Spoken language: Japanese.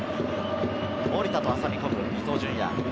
守田と、挟み込む伊東純也。